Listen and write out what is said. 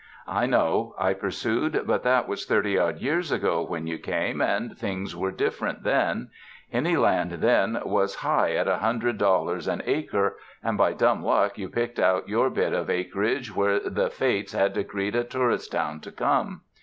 "I know," I pursued, "but that was thirty odd years ago when you came and things were different then. Any land then was high at a hundred dollars 247 UNDER THE SKY IN CALIFORNIA an acre, and by dumb luck you picked out your bit of acreage where the fates had decreed a tourist town to come.